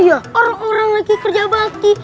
orang orang lagi kerja bakti